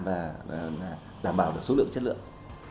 và đảm bảo được số lượng chất lượng